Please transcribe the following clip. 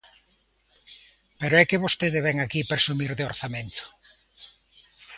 Pero é que vostede vén aquí presumir de orzamento.